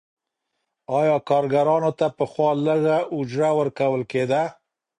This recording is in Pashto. آیا کارګرانو ته پخوا لږه اجوره ورکول کیده؟